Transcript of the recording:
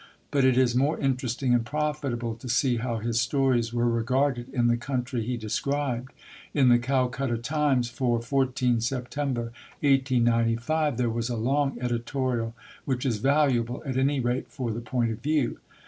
But it is more interesting and profitable to see how his stories were regarded in the country he described. In the Calcutta Times, for 14 September, 1895, there was a long editorial which is valuable, at any rate, for the point of view.